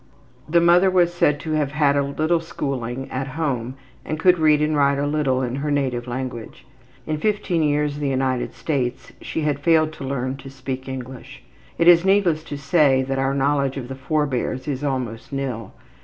The mother was said to have had a little schooling at home and could read and write a little in her native language. In 15 years in the United States she had failed to learn to speak English. It is needless to say that our knowledge of the forebears is almost nil.